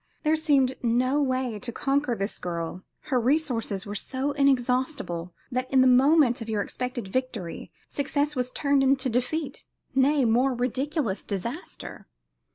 There seemed no way to conquer this girl; her resources were so inexhaustible that in the moment of your expected victory success was turned into defeat; nay, more, ridiculous disaster.